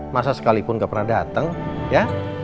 masa sekalipun gak pernah datang ya